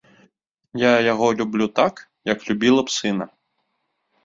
Я яго люблю так, як любіла б сына.